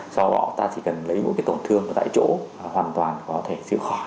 do đó ta chỉ cần lấy một cái tổn thương ở tại chỗ hoàn toàn có thể giữ khỏi